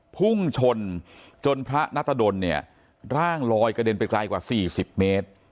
พุ่งชนจนพระนัตรดลเนี่ยร่างลอยกระเด็นไปไกลกว่า๔๐เมตร